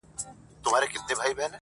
پر خوړه مځکه هر واښه شين کېږي.